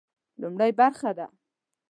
لومړۍ برخه ده.